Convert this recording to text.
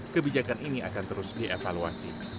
kebijakan ini akan terus dievaluasi